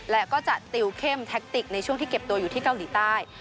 และก็จะติวเข้มแท็กติกในช่วงที่เก็บตัวอยู่ที่เกาหลีใต้